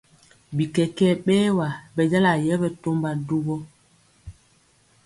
Bikɛkɛɛ bɛwa bɛjala yɛ ɓɛtɔmba duwo.